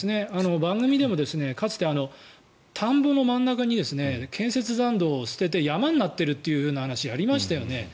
番組でもかつて田んぼの真ん中に建設残土を捨てて山になっている話やりましたよね。